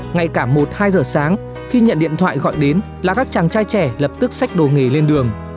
ngay cả một hai giờ sáng khi nhận điện thoại gọi đến là các chàng trai trẻ lập tức sách đồ nghề lên đường